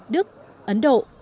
đức ấn độ